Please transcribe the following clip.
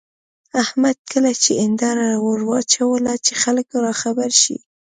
احمد کلي ته هېنداره ور واچوله چې خلګ راخبر شي.